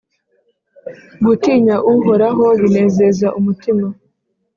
Gutinya Uhoraho binezeza umutima,